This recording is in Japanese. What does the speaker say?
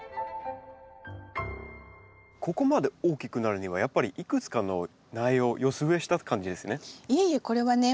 ここまで大きくなるにはやっぱりいくつかの苗を寄せ植えした感じですね？